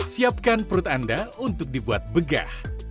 siapkan perut anda untuk dibuat begah